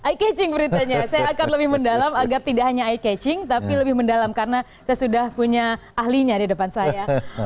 ikecing beritanya saya akan lebih mendalam agak tidak hanya ikecing tapi lebih mendalam karena saya sudah punya ahlinya di depan saya